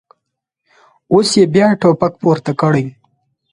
اوس یې بیا ټوپک پورته کړی.